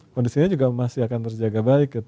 kondisinya juga masih akan terjaga baik gitu